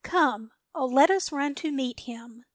Come, oh, let us run to meet him!